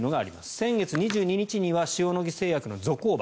先月２２日には塩野義製薬のゾコーバ。